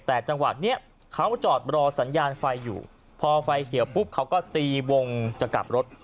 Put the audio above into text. แต่จังหวะเนี้ยเขาจอดรอสัญญาณไฟอยู่พอไฟเขียวปุ๊บเขาก็ตีวงจะกลับรถ